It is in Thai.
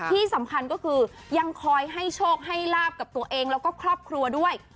ที่สำคัญก็คือยังคอยให้โชคให้ลาบกับตัวเองแล้วก็ครอบครัวด้วย